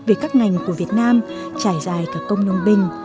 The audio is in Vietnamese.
về các ngành của việt nam trải dài cả công nông binh